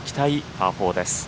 パー４です。